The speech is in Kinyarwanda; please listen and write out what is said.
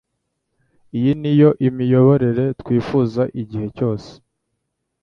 iyi niyo Imiyoborere Twifuza igihe cyose,